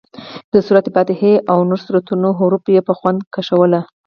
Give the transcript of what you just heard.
د سورت فاتحې او نورو سورتونو حروف یې په خوند کشول.